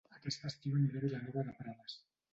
Aquest estiu aniré a Vilanova de Prades